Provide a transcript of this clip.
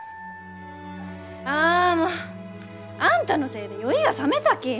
あもうあんたのせいで酔いがさめたき！